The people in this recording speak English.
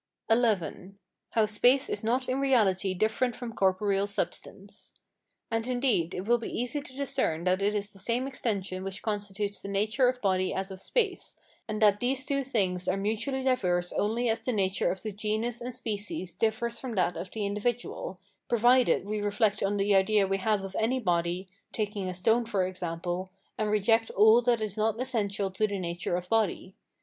XI. How space is not in reality different from corporeal substance. And indeed it will be easy to discern that it is the same extension which constitutes the nature of body as of space, and that these two things are mutually diverse only as the nature of the genus and species differs from that of the individual, provided we reflect on the idea we have of any body, taking a stone for example, and reject all that is not essential to the nature of body.